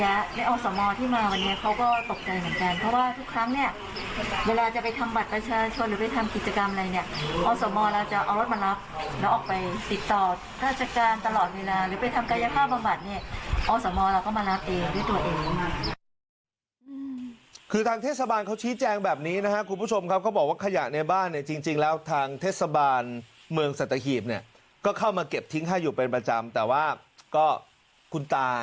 ระยะในออสโมที่มาวันนี้เขาก็ตกใจเหมือนกันเพราะว่าทุกครั้งเนี่ยเวลาจะไปทำบัตรประชาชนหรือไปทำกิจกรรมอะไรเนี่ยออสโมเราจะเอารถมารับแล้วออกไปติดต่อราชการตลอดเวลาหรือไปทำกายภาพบำบัดเนี่ยออสโมเราก็มารับเองด้วยตัวเองมากคือทางเทศสบานเขาชี้แจงแบบนี้นะฮะคุณผู้ชมครับเขาบอกว่าข